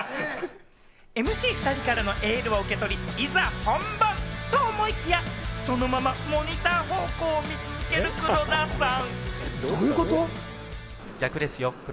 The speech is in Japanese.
ＭＣ２人からのエールを受け取り、いざ本番と思いきや、そのままモニター方向を見続ける黒田さん。